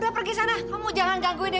dream planet sekaliga udah lar space lama